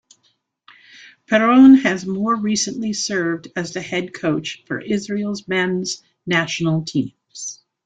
Perron has more recently served as the head coach for Israel's men's national teams.